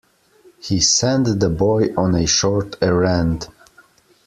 He sent the boy on a short errand.